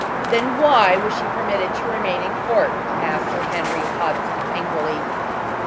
"Then why was she permitted to remain in court?" asked Sir Henry Hodson angrily.